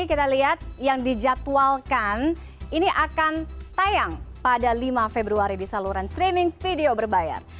kita lihat yang dijadwalkan ini akan tayang pada lima februari di saluran streaming video berbayar